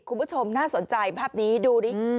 คุณผู้ชมน่าสนใจภาพนี้ดูดิ